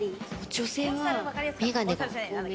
女性は眼鏡が透明。